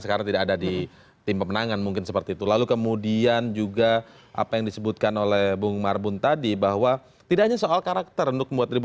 sekarang tidak ada di